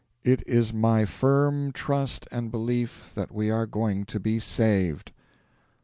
IT IS MY FIRM TRUST AND BELIEF THAT WE ARE GOING TO BE SAVED.